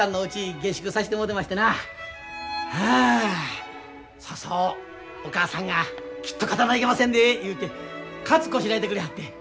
あそうそうお母さんがきっと勝たないけませんで言うてカツこしらえてくれはって。